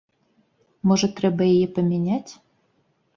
Можа трэба яе памяняць?